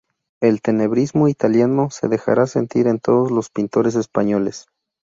El tenebrismo italiano se dejará sentir en todos los pintores españoles.